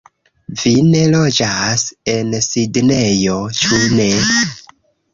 Vi ne loĝas en Sidnejo, ĉu ne?